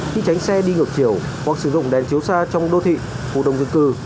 khi tránh xe đi ngược chiều hoặc sử dụng đèn chiếu xa trong đô thị khu đông dân cư